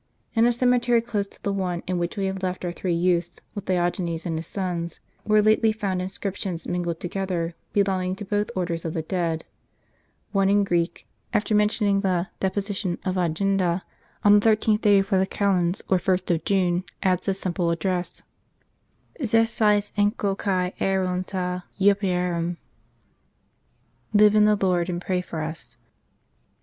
In a cemetery close to the one in which we have left our three youths, with Diogenes and his sons,* were lately found inscriptions mingled together, belonging to both orders of the dead. One in Greek, after mentioning the "Deposition of Augenda on the 13th day before the Calends, or 1st of June," adds this simple address : ZHCAIC ENKli KAl EP<«.TA YTTEPHMooN "Live in the Lord, and pray for us."